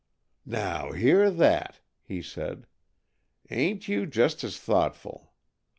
"Now, hear that!" he said. "Ain't you just as thoughtful!